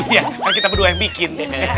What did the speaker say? iya kan kita berdua yang bikin